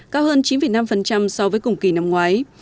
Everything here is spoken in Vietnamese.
cao hơn chín năm so với cùng kỳ năm ngoái